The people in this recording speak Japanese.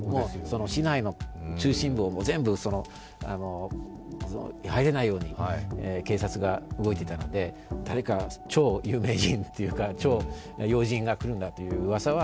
市内の中心部を全部、入れないように警察が動いていたので誰か超有名人というか、超要人が来るんだといううわさは